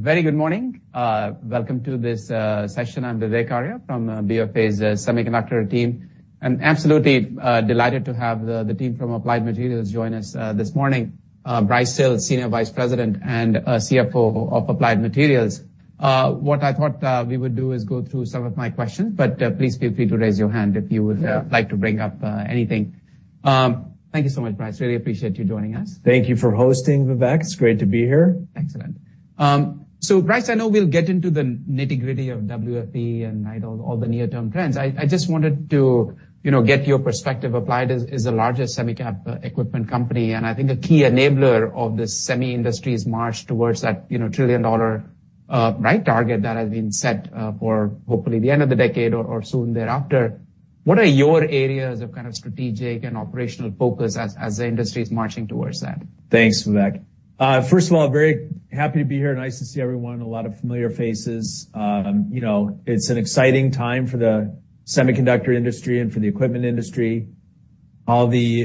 Very good morning. Welcome to this session. I'm Vivek Arya from BofA's Semiconductor team, and absolutely delighted to have the team from Applied Materials join us this morning. Brice Hill, Senior Vice President and CFO of Applied Materials. What I thought we would do is go through some of my questions, but please feel free to raise your hand if you would- Yeah Like to bring up anything. Thank you so much, Brice. Really appreciate you joining us. Thank you for hosting, Vivek. It's great to be here. Excellent. So Brice, I know we'll get into the nitty-gritty of WFE and all the near-term trends. I just wanted to, you know, get your perspective. Applied is the largest semicap equipment company, and I think a key enabler of the semi-industry's march towards that, you know, $1 trillion right target that has been set for hopefully the end of the decade or soon thereafter. What are your areas of kind of strategic and operational focus as the industry is marching towards that? Thanks, Vivek. First of all, very happy to be here. Nice to see everyone, a lot of familiar faces. You know, it's an exciting time for the semiconductor industry and for the equipment industry. Many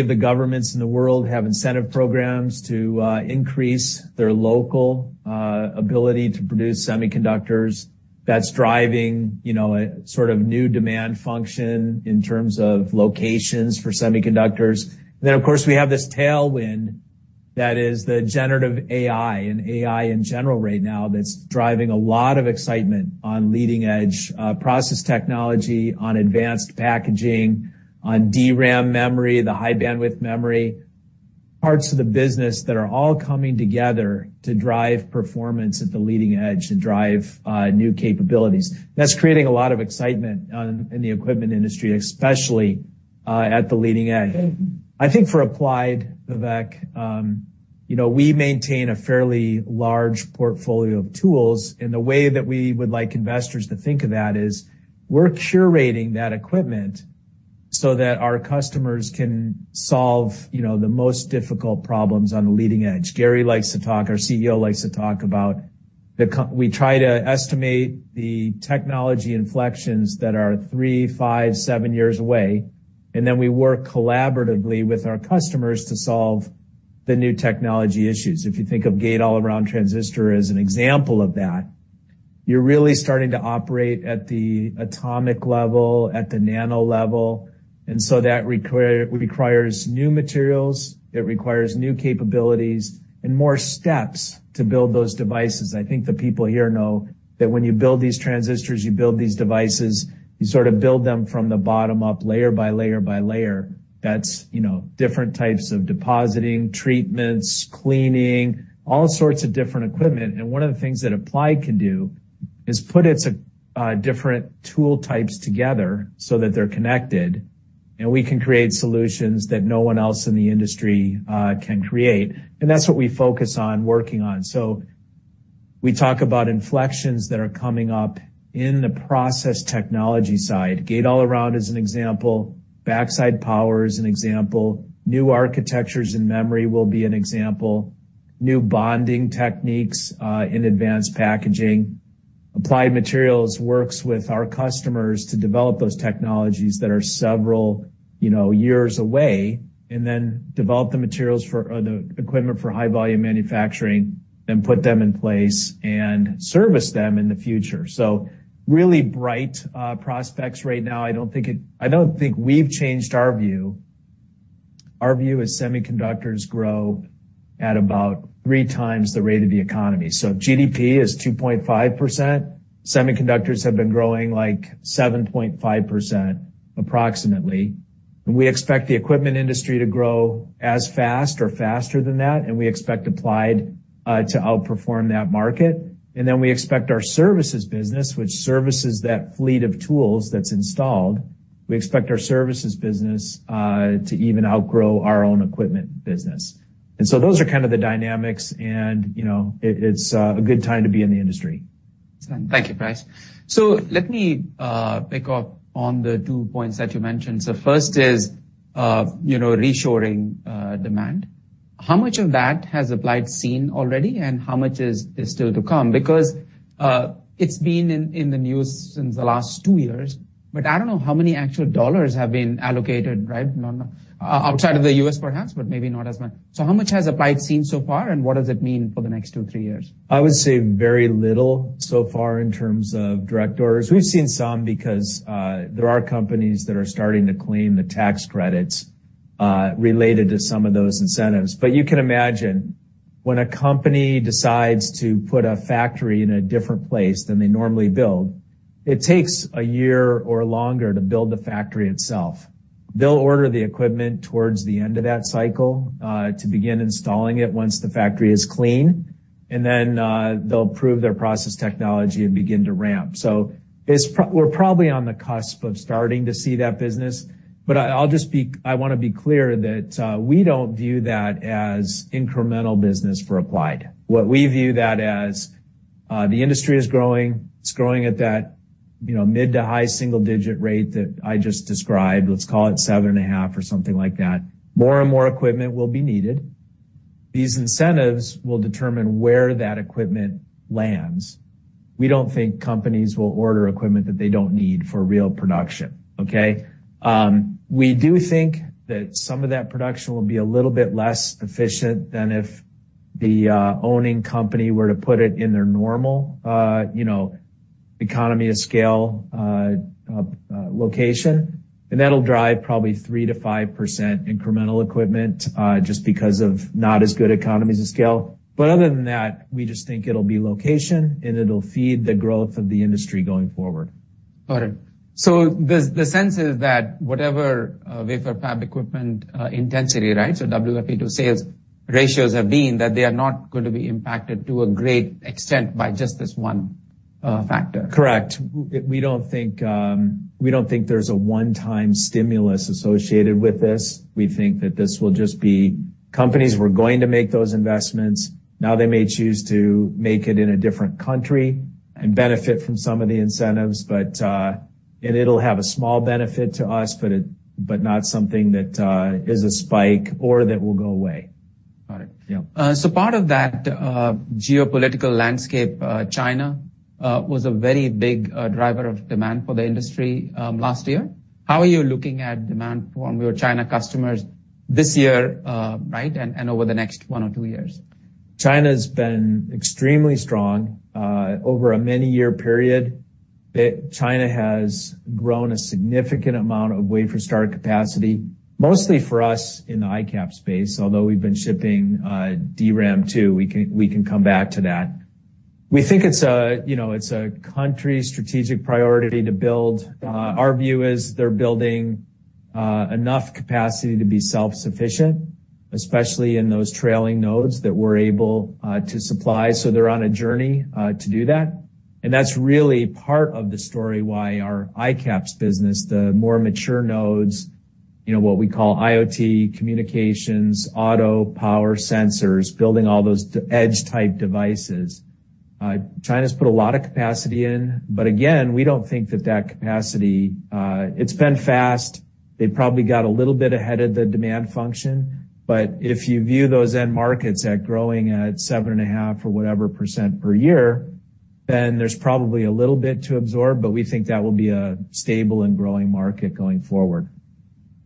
of the governments in the world have incentive programs to increase their local ability to produce semiconductors. That's driving, you know, a sort of new demand function in terms of locations for semiconductors. Then, of course, we have this tailwind that is the generative AI and AI in general right now, that's driving a lot of excitement on leading-edge process technology, on advanced packaging, on DRAM memory, the high bandwidth memory, parts of the business that are all coming together to drive performance at the leading edge, to drive new capabilities. That's creating a lot of excitement in the equipment industry, especially at the leading edge. Mm-hmm. I think for Applied, Vivek, you know, we maintain a fairly large portfolio of tools, and the way that we would like investors to think of that is, we're curating that equipment so that our customers can solve, you know, the most difficult problems on the leading edge. Our CEO likes to talk about. We try to estimate the technology inflections that are 3, 5, 7 years away, and then we work collaboratively with our customers to solve the new technology issues. If you think of Gate-All-Around transistor as an example of that, you're really starting to operate at the atomic level, at the nano level, and so that requires new materials, it requires new capabilities and more steps to build those devices. I think the people here know that when you build these transistors, you build these devices, you sort of build them from the bottom up, layer by layer by layer. That's, you know, different types of depositing, treatments, cleaning, all sorts of different equipment. And one of the things that Applied can do is put its, different tool types together so that they're connected, and we can create solutions that no one else in the industry, can create, and that's what we focus on working on. So we talk about inflections that are coming up in the process technology side. Gate-All-Around is an example, Backside Power is an example, new architectures in memory will be an example, new bonding techniques, in Advanced Packaging. Applied Materials works with our customers to develop those technologies that are several, you know, years away, and then develop the materials for, or the equipment for high-volume manufacturing, then put them in place and service them in the future. So really bright prospects right now. I don't think we've changed our view. Our view is semiconductors grow at about three times the rate of the economy. So if GDP is 2.5%, semiconductors have been growing, like, 7.5%, approximately, and we expect the equipment industry to grow as fast or faster than that, and we expect Applied to outperform that market. And then we expect our services business, which services that fleet of tools that's installed, we expect our services business to even outgrow our own equipment business. So those are kind of the dynamics, and, you know, it, it's a good time to be in the industry. Thank you, Brice. So let me pick up on the two points that you mentioned. So first is, you know, reshoring demand. How much of that has Applied seen already, and how much is still to come? Because, it's been in the news since the last two years, but I don't know how many actual dollars have been allocated, right? No, no, outside of the US, perhaps, but maybe not as much. So how much has Applied seen so far, and what does it mean for the next two, three years? I would say very little so far in terms of direct orders. We've seen some because there are companies that are starting to claim the tax credits related to some of those incentives. But you can imagine, when a company decides to put a factory in a different place than they normally build, it takes a year or longer to build the factory itself. They'll order the equipment towards the end of that cycle to begin installing it once the factory is clean, and then they'll prove their process technology and begin to ramp. So it's probably on the cusp of starting to see that business, but I, I'll just wanna be clear that we don't view that as incremental business for Applied. What we view that as, the industry is growing, it's growing at that, you know, mid- to high-single-digit rate that I just described, let's call it 7.5 or something like that. More and more equipment will be needed. These incentives will determine where that equipment lands. We don't think companies will order equipment that they don't need for real production, okay? We do think that some of that production will be a little bit less efficient than if the owning company were to put it in their normal, you know, economy of scale location, and that'll drive probably 3%-5% incremental equipment, just because of not as good economies of scale. But other than that, we just think it'll be location, and it'll feed the growth of the industry going forward. Got it. So the sense is that whatever wafer fab equipment intensity, right, so WFE to sales ratios have been, that they are not going to be impacted to a great extent by just this one factor? Correct. We don't think we don't think there's a one-time stimulus associated with this. We think that this will just be companies were going to make those investments. Now, they may choose to make it in a different country and benefit from some of the incentives, but and it'll have a small benefit to us, but not something that is a spike or that will go away. Got it. Yeah. So part of that geopolitical landscape, China was a very big driver of demand for the industry last year. How are you looking at demand from your China customers this year, right, and, and over the next one or two years? China's been extremely strong, over a many-year period. China has grown a significant amount of wafer start capacity, mostly for us in the ICAPS space, although we've been shipping, DRAM, too. We can, we can come back to that. We think it's a, you know, it's a country strategic priority to build. Our view is they're building, enough capacity to be self-sufficient, especially in those trailing nodes that we're able, to supply, so they're on a journey, to do that, and that's really part of the story why our ICAPS business, the more mature nodes, you know, what we call IoT, communications, auto, power, sensors, building all those edge-type devices. China's put a lot of capacity in, but again, we don't think that that capacity... It's been fast. They probably got a little bit ahead of the demand function, but if you view those end markets as growing at 7.5% or whatever per year, then there's probably a little bit to absorb, but we think that will be a stable and growing market going forward.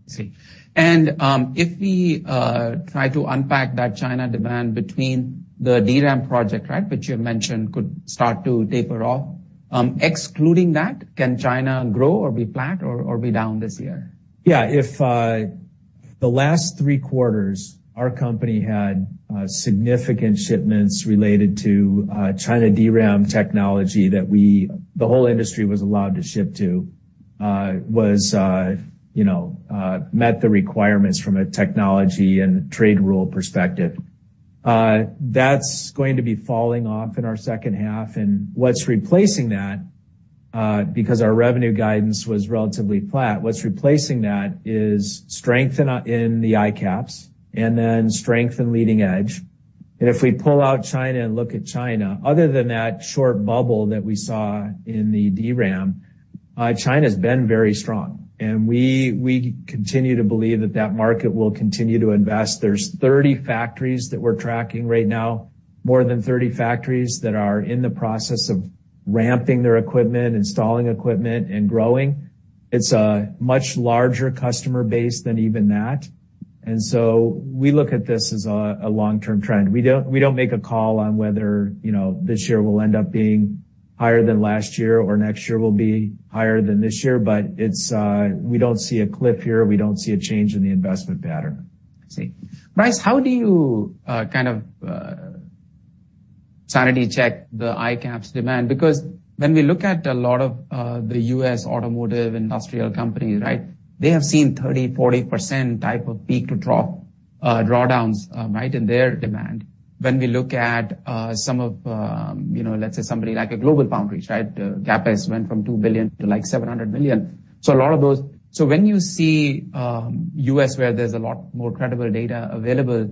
I see. And, if we try to unpack that China demand between the DRAM project, right, which you mentioned could start to taper off, excluding that, can China grow or be flat or be down this year? Yeah, if the last three quarters, our company had significant shipments related to China DRAM technology that the whole industry was allowed to ship to was you know met the requirements from a technology and trade rule perspective. That's going to be falling off in our second half, and what's replacing that because our revenue guidance was relatively flat, what's replacing that is strength in the ICAPS and then strength in leading edge. And if we pull out China and look at China, other than that short bubble that we saw in the DRAM, China's been very strong, and we continue to believe that that market will continue to invest. There's 30 factories that we're tracking right now, more than 30 factories that are in the process of ramping their equipment, installing equipment, and growing. It's a much larger customer base than even that, and so we look at this as a long-term trend. We don't make a call on whether, you know, this year will end up being higher than last year or next year will be higher than this year, but it's, we don't see a cliff here. We don't see a change in the investment pattern. I see. Brice, how do you, kind of, sanity check the ICAPS demand? Because when we look at a lot of, the U.S. automotive industrial companies, right, they have seen 30%-40% type of peak-to-drop drawdowns, right, in their demand. When we look at, some of, you know, let's say, somebody like a GlobalFoundries, right? The CapEx went from $2 billion to, like, $700 million. So a lot of those—So when you see, U.S., where there's a lot more credible data available,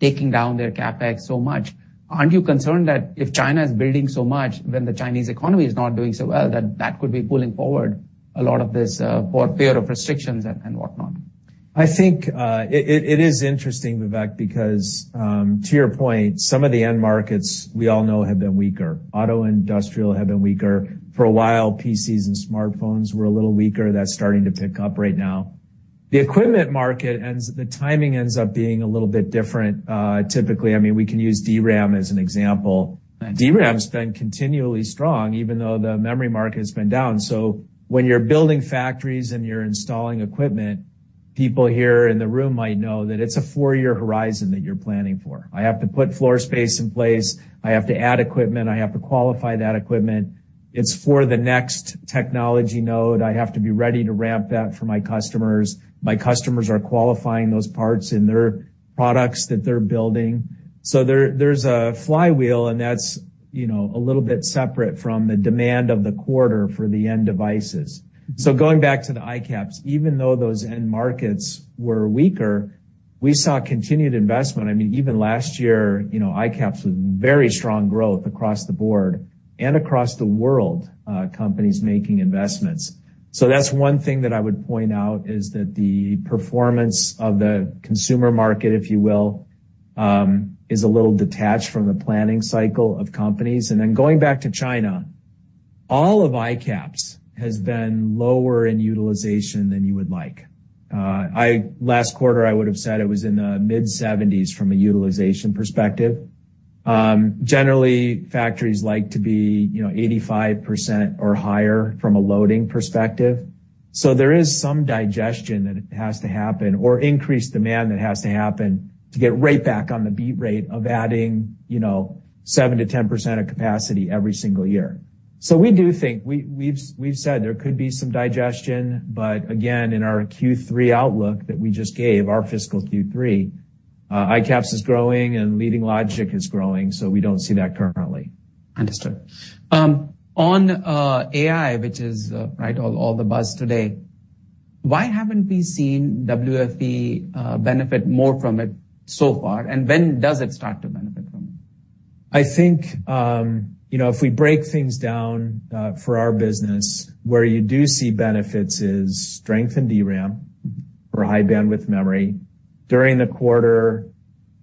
taking down their CapEx so much, aren't you concerned that if China is building so much, then the Chinese economy is not doing so well, that that could be pulling forward a lot of this, pure fear of restrictions and, and whatnot? I think it is interesting, Vivek, because to your point, some of the end markets we all know have been weaker. Auto industrial have been weaker. For a while, PCs and smartphones were a little weaker. That's starting to pick up right now. The timing ends up being a little bit different, typically. I mean, we can use DRAM as an example. DRAM's been continually strong, even though the memory market has been down. So when you're building factories and you're installing equipment, people here in the room might know that it's a four-year horizon that you're planning for. I have to put floor space in place. I have to add equipment. I have to qualify that equipment. It's for the next technology node. I have to be ready to ramp that for my customers. My customers are qualifying those parts in their products that they're building. So there's a flywheel, and that's, you know, a little bit separate from the demand of the quarter for the end devices. So going back to the ICAPS, even though those end markets were weaker, we saw continued investment. I mean, even last year, you know, ICAPS was very strong growth across the board and across the world, companies making investments. So that's one thing that I would point out, is that the performance of the consumer market, if you will, is a little detached from the planning cycle of companies. And then going back to China, all of ICAPS has been lower in utilization than you would like. Last quarter, I would have said it was in the mid-seventies from a utilization perspective. Generally, factories like to be, you know, 85% or higher from a loading perspective. So there is some digestion that has to happen or increased demand that has to happen to get right back on the beat rate of adding, you know, 7%-10% of capacity every single year. So we do think, we've said there could be some digestion, but again, in our Q3 outlook that we just gave, our fiscal Q3, ICAPS is growing and Leading Logic is growing, so we don't see that currently. Understood. On AI, which is right, all the buzz today, why haven't we seen WFE benefit more from it so far, and when does it start to benefit from it? I think, you know, if we break things down for our business, where you do see benefits is strength in DRAM or high bandwidth memory. During the quarter,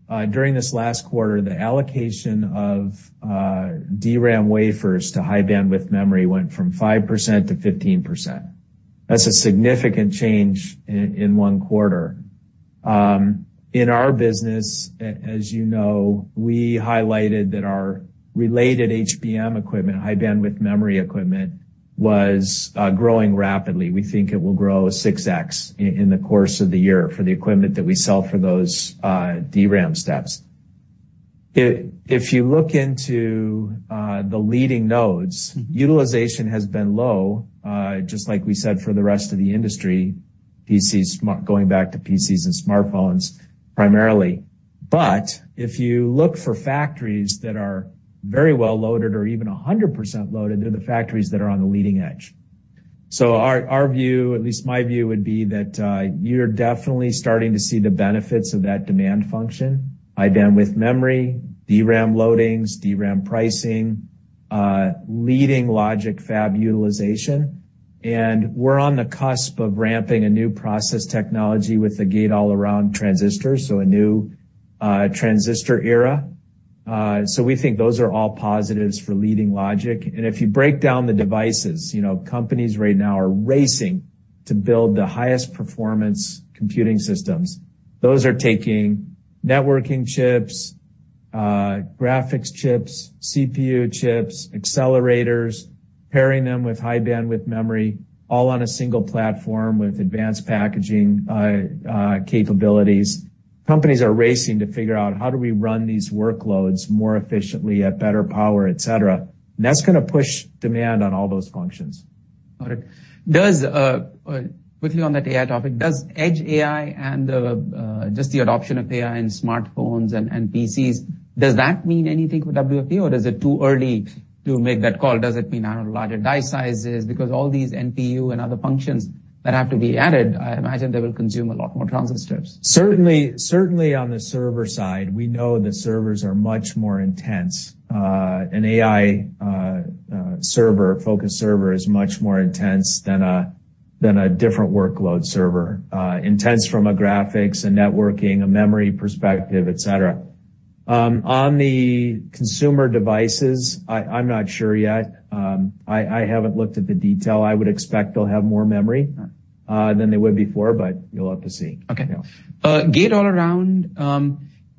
during this last quarter, the allocation of DRAM wafers to high bandwidth memory went from 5%-15%. That's a significant change in one quarter. In our business, as you know, we highlighted that our related HBM equipment, high bandwidth memory equipment, was growing rapidly. We think it will grow 6x in the course of the year for the equipment that we sell for those DRAM steps. If you look into the leading nodes, utilization has been low, just like we said, for the rest of the industry, PCs, going back to PCs and smartphones primarily. But if you look for factories that are very well loaded or even 100% loaded, they're the factories that are on the leading edge. So our view, at least my view, would be that you're definitely starting to see the benefits of that demand function, high-bandwidth memory, DRAM loadings, DRAM pricing, Leading Logic fab utilization, and we're on the cusp of ramping a new process technology with the Gate-All-Around transistor, so a new transistor era. So we think those are all positives for Leading Logic. And if you break down the devices, you know, companies right now are racing to build the highest performance computing systems. Those are taking networking chips, graphics chips, CPU chips, accelerators, pairing them with high-bandwidth memory, all on a single platform with advanced packaging capabilities. Companies are racing to figure out, how do we run these workloads more efficiently at better power, et cetera? And that's gonna push demand on all those functions. Got it. Does, quickly on that AI topic, does edge AI and the, just the adoption of AI in smartphones and PCs, does that mean anything for WFE, or is it too early to make that call? Does it mean, I don't know, larger die sizes? Because all these NPU and other functions that have to be added, I imagine they will consume a lot more transistor strips. Certainly, certainly on the server side, we know that servers are much more intense. An AI server-focused server is much more intense than a different workload server, intense from a graphics, a networking, a memory perspective, et cetera. On the consumer devices, I'm not sure yet. I haven't looked at the detail. I would expect they'll have more memory- All right. than they would before, but we'll have to see. Okay. Yeah. Gate-All-Around,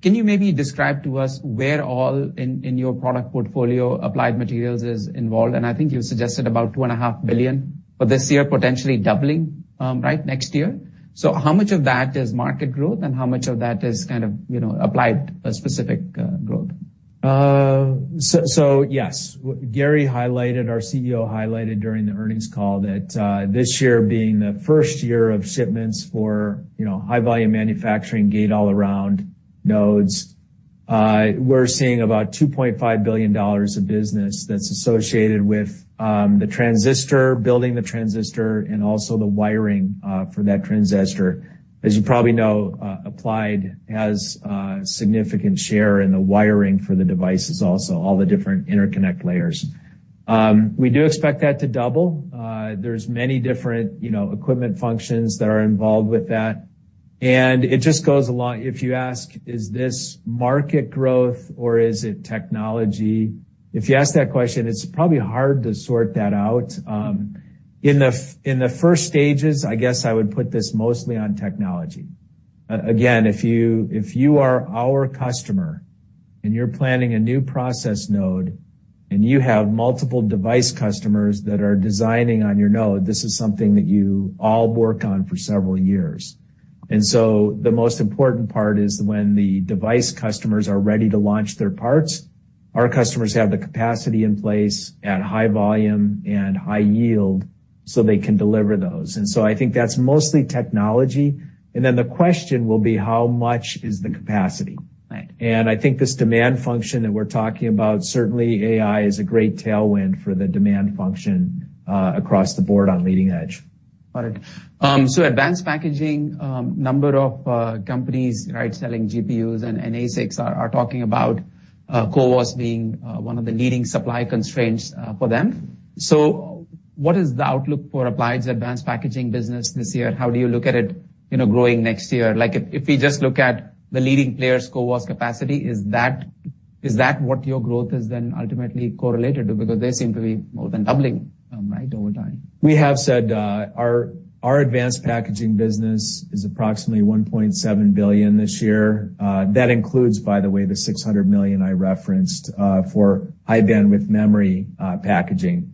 can you maybe describe to us where all in, in your product portfolio Applied Materials is involved? And I think you suggested about $2.5 billion for this year, potentially doubling, right, next year. So how much of that is market growth, and how much of that is kind of, you know, Applied specific, growth? So, yes. Gary highlighted, our CEO highlighted during the earnings call that, this year being the first year of shipments for, you know, high volume manufacturing Gate-All-Around nodes. We're seeing about $2.5 billion of business that's associated with, the transistor, building the transistor, and also the wiring, for that transistor. As you probably know, Applied has, significant share in the wiring for the devices, also, all the different interconnect layers. We do expect that to double. There's many different, you know, equipment functions that are involved with that, and it just goes along... If you ask, "Is this market growth, or is it technology?" If you ask that question, it's probably hard to sort that out. In the first stages, I guess I would put this mostly on technology. Again, if you, if you are our customer, and you're planning a new process node, and you have multiple device customers that are designing on your node, this is something that you all work on for several years. And so the most important part is when the device customers are ready to launch their parts, our customers have the capacity in place at high volume and high yield, so they can deliver those. And so I think that's mostly technology, and then the question will be, how much is the capacity? Right. I think this demand function that we're talking about, certainly AI is a great tailwind for the demand function, across the board on leading edge. Got it. So advanced packaging, number of companies, right, selling GPUs and ASICs are talking about CoWoS being one of the leading supply constraints for them. What is the outlook for Applied's advanced packaging business this year? How do you look at it, you know, growing next year? Like, if we just look at the leading players' CoWoS capacity, is that what your growth is then ultimately correlated to? Because they seem to be more than doubling, right, over time. We have said our advanced packaging business is approximately $1.7 billion this year. That includes, by the way, the $600 million I referenced for high-bandwidth memory packaging.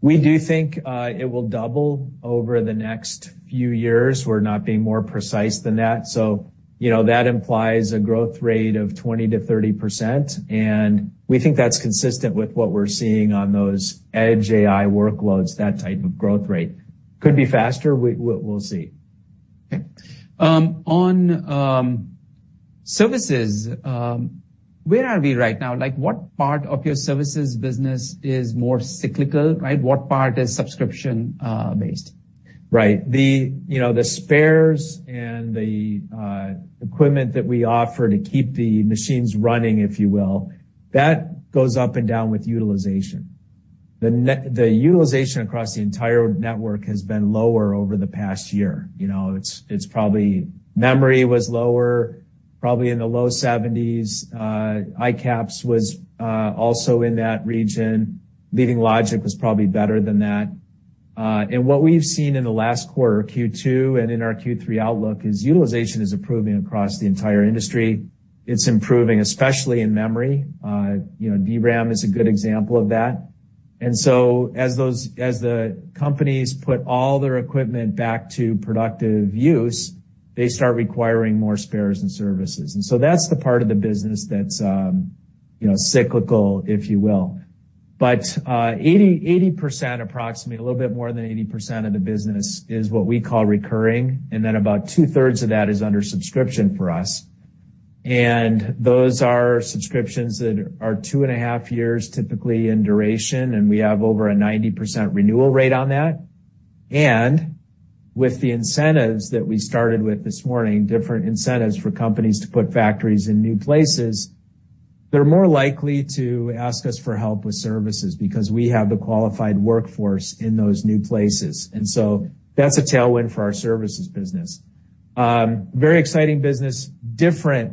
We do think it will double over the next few years. We're not being more precise than that, so, you know, that implies a growth rate of 20%-30%, and we think that's consistent with what we're seeing on those edge AI workloads, that type of growth rate. Could be faster. We'll see. Okay. On services, where are we right now? Like, what part of your services business is more cyclical, right? What part is subscription based? Right. The, you know, the spares and the equipment that we offer to keep the machines running, if you will, that goes up and down with utilization. The utilization across the entire network has been lower over the past year. You know, it's probably... Memory was lower, probably in the low 70s. ICAPS was also in that region. Leading logic was probably better than that. And what we've seen in the last quarter, Q2, and in our Q3 outlook, is utilization is improving across the entire industry. It's improving, especially in memory. You know, DRAM is a good example of that. And so as the companies put all their equipment back to productive use, they start requiring more spares and services, and so that's the part of the business that's, you know, cyclical, if you will. But 80, 80% approximately, a little bit more than 80% of the business is what we call recurring, and then about two-thirds of that is under subscription for us, and those are subscriptions that are two and a half years, typically, in duration, and we have over a 90% renewal rate on that. And with the incentives that we started with this morning, different incentives for companies to put factories in new places, they're more likely to ask us for help with services because we have the qualified workforce in those new places, and so that's a tailwind for our services business. Very exciting business, different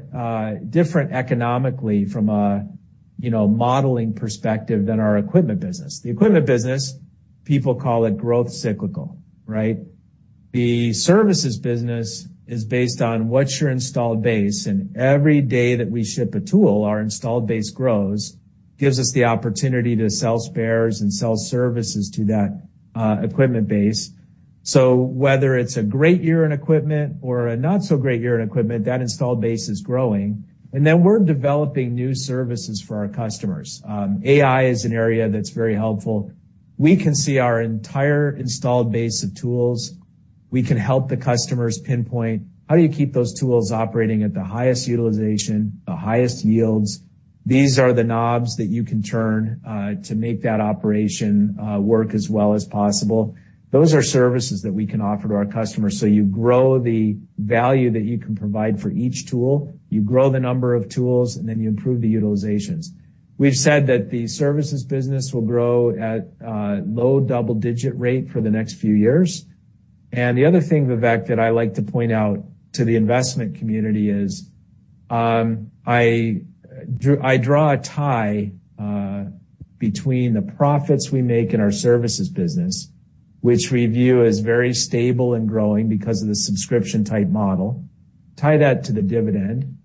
economically from a, you know, modeling perspective than our equipment business. The equipment business, people call it growth cyclical, right? The services business is based on what's your installed base, and every day that we ship a tool, our installed base grows, gives us the opportunity to sell spares and sell services to that, equipment base. So whether it's a great year in equipment or a not so great year in equipment, that installed base is growing, and then we're developing new services for our customers. AI is an area that's very helpful. We can see our entire installed base of tools. We can help the customers pinpoint, how do you keep those tools operating at the highest utilization, the highest yields? These are the knobs that you can turn, to make that operation, work as well as possible. Those are services that we can offer to our customers, so you grow the value that you can provide for each tool, you grow the number of tools, and then you improve the utilizations. We've said that the services business will grow at low double-digit rate for the next few years. And the other thing, Vivek, that I like to point out to the investment community is, I draw a tie between the profits we make in our services business, which we view as very stable and growing because of the subscription-type model, tie that to the dividend.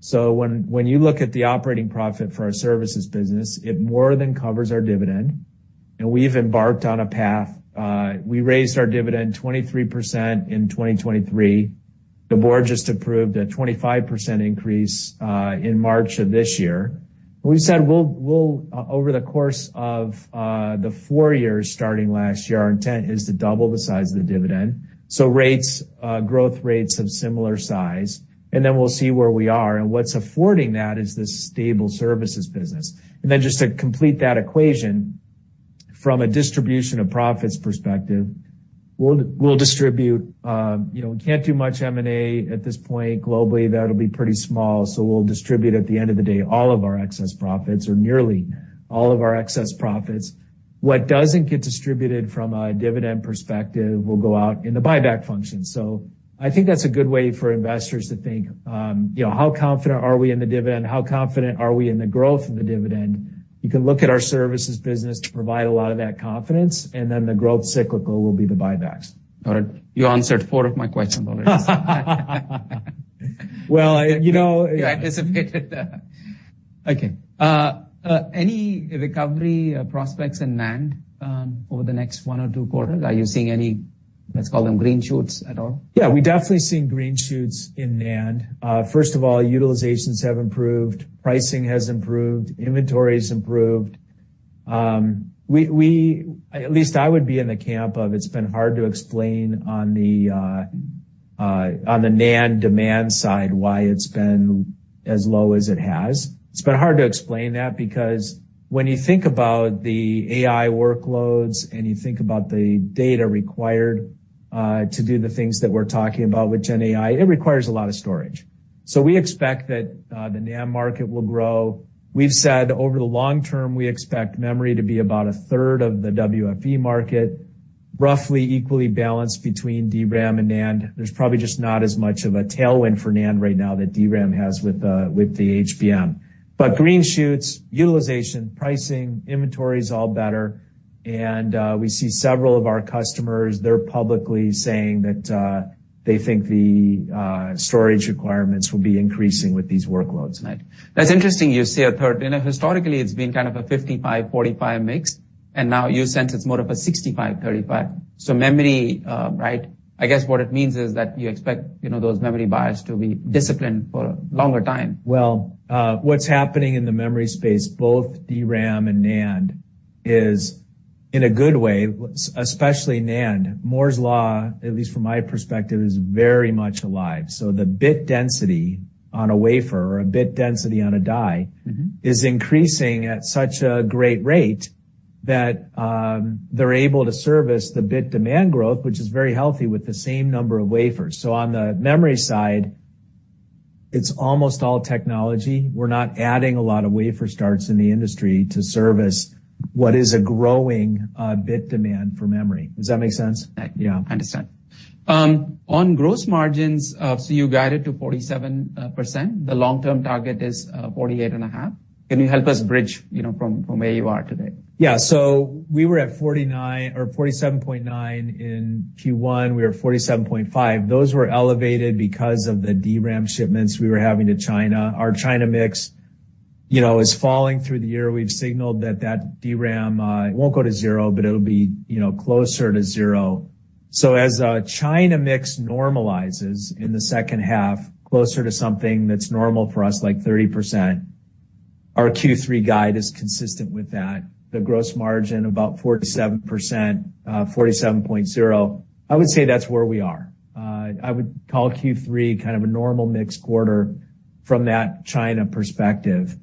So when you look at the operating profit for our services business, it more than covers our dividend, and we've embarked on a path. We raised our dividend 23% in 2023. The board just approved a 25% increase in March of this year. We said we'll over the course of the four years starting last year, our intent is to double the size of the dividend, so rates growth rates of similar size, and then we'll see where we are, and what's affording that is this stable services business. And then just to complete that equation, from a distribution of profits perspective, we'll distribute. You know, we can't do much M&A at this point. Globally, that'll be pretty small, so we'll distribute, at the end of the day, all of our excess profits or nearly all of our excess profits. What doesn't get distributed from a dividend perspective will go out in the buyback function. So I think that's a good way for investors to think, you know, how confident are we in the dividend? How confident are we in the growth of the dividend? You can look at our services business to provide a lot of that confidence, and then the growth cyclical will be the buybacks. All right. You answered four of my questions already. Well, you know- I anticipated that. Okay. Any recovery prospects in NAND over the next one or two quarters? Are you seeing any, let's call them, green shoots at all? Yeah, we're definitely seeing green shoots in NAND. First of all, utilizations have improved, pricing has improved, inventory's improved. At least I would be in the camp of it's been hard to explain on the NAND demand side, why it's been as low as it has. It's been hard to explain that because when you think about the AI workloads, and you think about the data required to do the things that we're talking about with GenAI, it requires a lot of storage... So we expect that the NAND market will grow. We've said over the long term, we expect memory to be about a third of the WFE market, roughly equally balanced between DRAM and NAND. There's probably just not as much of a tailwind for NAND right now that DRAM has with the HBM. Green shoots, utilization, pricing, inventory is all better, and we see several of our customers, they're publicly saying that they think the storage requirements will be increasing with these workloads. Right. That's interesting you say a third. Historically, it's been kind of a 55-45 mix, and now you sense it's more of a 65-35. So memory, right, I guess what it means is that you expect, you know, those memory buyers to be disciplined for a longer time. Well, what's happening in the memory space, both DRAM and NAND, is in a good way, especially NAND, Moore's Law, at least from my perspective, is very much alive. So the bit density on a wafer or a bit density on a die- Mm-hmm. is increasing at such a great rate that they're able to service the bit demand growth, which is very healthy with the same number of wafers. So on the memory side, it's almost all technology. We're not adding a lot of wafer starts in the industry to service what is a growing bit demand for memory. Does that make sense? Yeah, I understand. On gross margins, so you guided to 47%. The long-term target is 48.5%. Can you help us bridge, you know, from where you are today? Yeah, so we were at 49 or 47.9 in Q1, we were 47.5. Those were elevated because of the DRAM shipments we were having to China. Our China mix, you know, is falling through the year. We've signaled that that DRAM, it won't go to zero, but it'll be, you know, closer to zero. So as, China mix normalizes in the second half, closer to something that's normal for us, like 30%, our Q3 guide is consistent with that. The gross margin, about 47%, 47.0, I would say that's where we are. I would call Q3 kind of a normal mix quarter from that China perspective.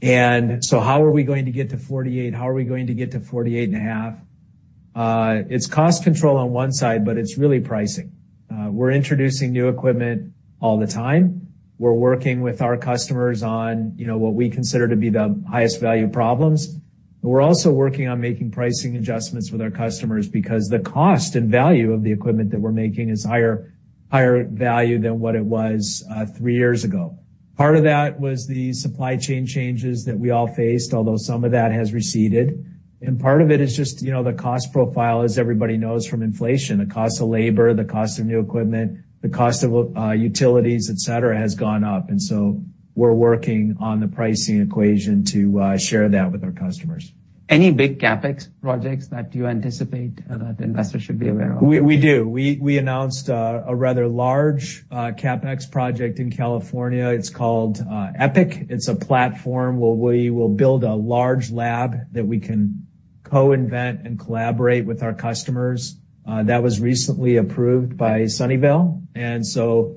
And so how are we going to get to 48? How are we going to get to 48.5? It's cost control on one side, but it's really pricing. We're introducing new equipment all the time. We're working with our customers on, you know, what we consider to be the highest value problems, but we're also working on making pricing adjustments with our customers because the cost and value of the equipment that we're making is higher, higher value than what it was three years ago. Part of that was the supply chain changes that we all faced, although some of that has receded, and part of it is just, you know, the cost profile, as everybody knows from inflation, the cost of labor, the cost of new equipment, the cost of utilities, et cetera, has gone up, and so we're working on the pricing equation to share that with our customers. Any big CapEx projects that you anticipate, that investors should be aware of? We do. We announced a rather large CapEx project in California. It's called EPIC. It's a platform where we will build a large lab that we can co-invent and collaborate with our customers. That was recently approved by Sunnyvale. And so,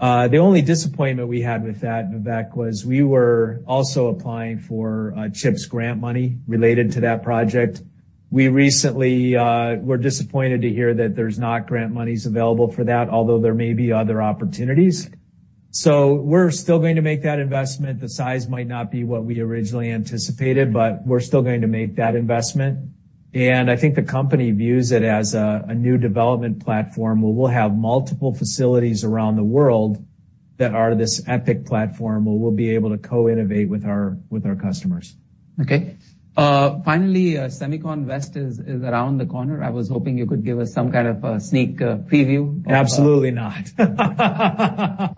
the only disappointment we had with that, Vivek, was we were also applying for CHIPS grant money related to that project. We recently were disappointed to hear that there's not grant monies available for that, although there may be other opportunities. So we're still going to make that investment. The size might not be what we originally anticipated, but we're still going to make that investment, and I think the company views it as a new development platform, where we'll have multiple facilities around the world that are this EPIC platform, where we'll be able to co-innovate with our, with our customers. Okay. Finally, SEMICON West is around the corner. I was hoping you could give us some kind of a sneak preview. Absolutely not.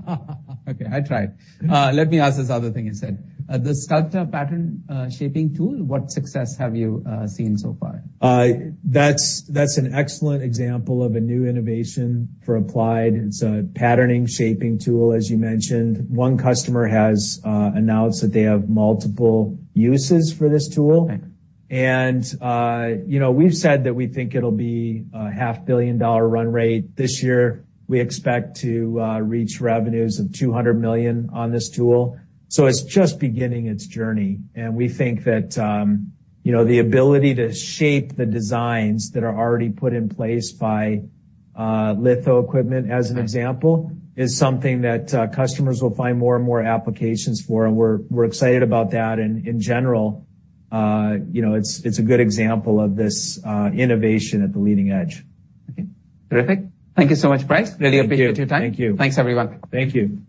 Okay, I tried. Let me ask this other thing instead. The Sculpta pattern, shaping tool, what success have you seen so far? That's, that's an excellent example of a new innovation for Applied. It's a patterning shaping tool, as you mentioned. One customer has announced that they have multiple uses for this tool. Okay. You know, we've said that we think it'll be a $500 million run rate this year. We expect to reach revenues of $200 million on this tool. It's just beginning its journey, and we think that, you know, the ability to shape the designs that are already put in place by litho equipment, as an example, is something that customers will find more and more applications for, and we're excited about that. And in general, you know, it's a good example of this innovation at the leading edge. Okay. Terrific. Thank you so much, Brice. Thank you. Really appreciate your time. Thank you. Thanks, everyone. Thank you.